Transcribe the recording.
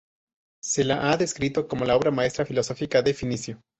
Se la ha descrito como la obra maestra filosófica de Ficino.